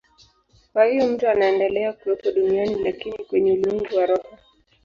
Kwa hiyo mtu anaendelea kuwepo duniani, lakini kwenye ulimwengu wa roho.